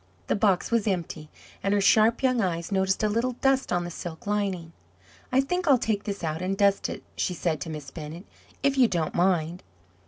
The box was empty, and her sharp young eyes noticed a little dust on the silk lining. "I think I'll take this out and dust it," she said to Miss Bennett, "if you don't mind."